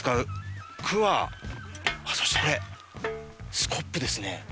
そしてスコップですね。